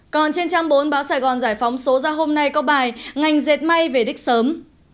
còn trên trang bốn báo sài gòn giải phóng số ra hôm nay có bài ngành dệt may về đích sớm